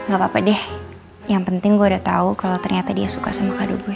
gapapa deh yang penting gua udah tau kalo ternyata dia suka sama kado gue